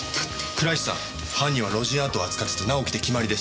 倉石さん犯人はロジンアートを扱ってた直樹で決まりです。